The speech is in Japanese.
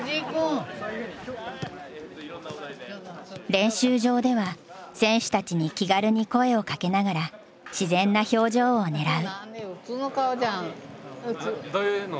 練習場では選手たちに気軽に声をかけながら自然な表情を狙う。